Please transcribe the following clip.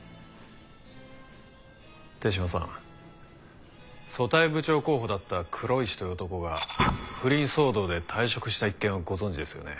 手嶌さん組対部長候補だった黒石という男が不倫騒動で退職した一件はご存じですよね？